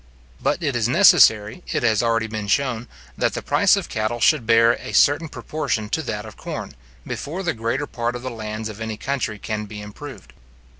But it is necessary, it has already been shown, that the price of cattle should bear a certain proportion to that of corn, before the greater part of the lands of any country can be improved.